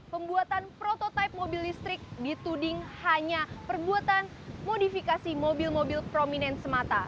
pembuatan prototipe mobil listrik dituding hanya perbuatan modifikasi mobil mobil prominent semata